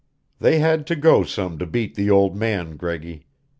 "They had to go some to beat the old man, Greggy.